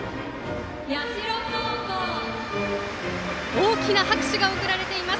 大きな拍手が送られています。